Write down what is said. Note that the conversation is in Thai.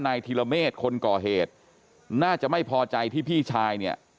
ธิระเมฆคนก่อเหตุน่าจะไม่พอใจที่พี่ชายเนี่ย